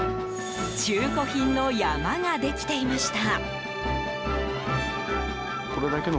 中古品の山ができていました。